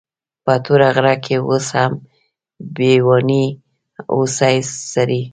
په تور غره کې اوس هم بېواني هوسۍ څري.